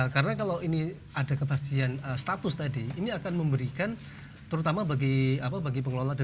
karena kalau ini ada kepastian status tadi ini akan memberikan terutama bagi pengelola dan juga pengendara